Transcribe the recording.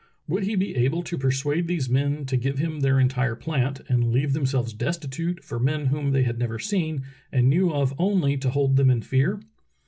Would he be able to persuade these men to give him their entire plant and leave themselves destitute for men whom they had never seen and knew of only to hold them in fear?